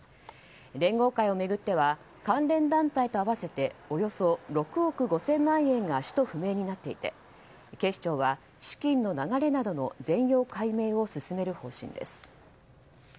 連合会を巡っては関連団体と合わせておよそ６億５０００万円が使途不明になっていて警視庁は資金の流れなどの全容解明を進める方針です。